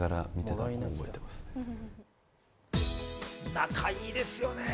仲いいですよね。